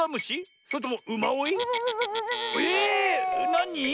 なに？